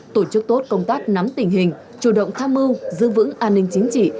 tổ chức tốt công tác nắm tình hình chủ động tham mưu giữ vững an ninh chính trị